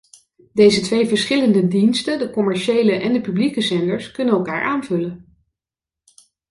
Deze twee verschillende diensten, de commerciële en de publieke zenders, kunnen elkaar aanvullen.